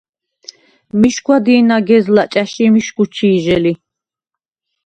მიშგვა დი̄ნაგეზლა̈ ჭა̈ში მიშგუ ჩი̄ჟე ლი.